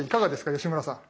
吉村さん。